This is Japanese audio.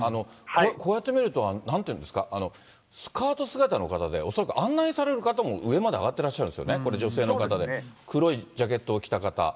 こうやって見ると、なんていうんですか、スカート姿の方で、恐らく案内される方も上まで上がってらっしゃるんですね、女性の方で、黒いジャケットを着た方。